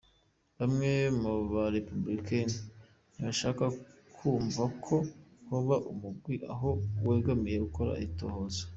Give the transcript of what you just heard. Bamwe mu ba républicains ntibashaka kwumva ko hoba umurwi ataho wegamiye wokora itohoza.